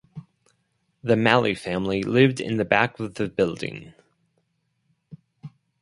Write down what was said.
The Malley family lived in the back of the building.